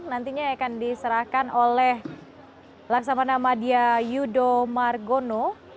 nantinya akan diserahkan oleh laksamanama di ayudo margono